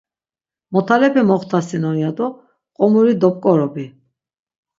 Motalepe moxtasinon ya do qomuri dop̆k̆orobi.